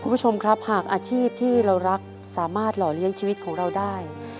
คุณผู้ชมครับหากอาชีพที่เรารักสามารถหล่อเลี้ยงชีวิตของเราได้